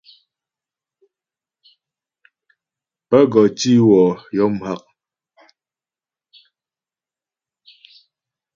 Pə́ gɔ tǐ wɔ yɔ mghak.